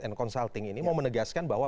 and consulting ini mau menegaskan bahwa